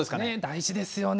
大事ですよね。